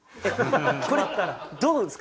これどうですか？